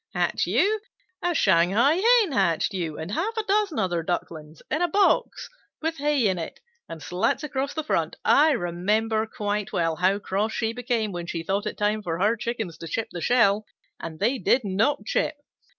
"Hatch you? A Shanghai Hen hatched you and half a dozen other Ducklings in a box with hay in it and slats across the front. I remember quite well how cross she became when she thought it time for her Chickens to chip the shell, and they did not chip.